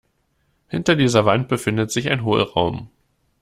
Hinter dieser Wand befindet sich ein Hohlraum.